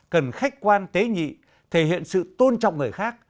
cần khách quan tế nhị thể hiện sự tôn trọng người khác